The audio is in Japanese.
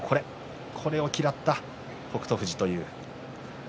これを嫌った北勝富士という。